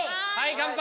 乾杯！